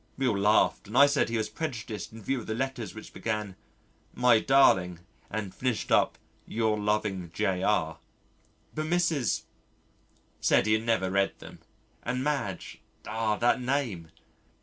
We all laughed and I said he was prejudiced in view of the letters which began: "My darling," and finished up "Yr loving J.R." But Mrs. said he had never read them, and Madge (ah! that name!)